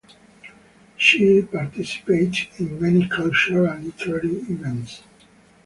She participated in many cultural and literary events.